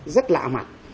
rất lạ mặt